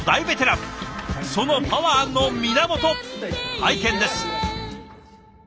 そのパワーの源拝見です。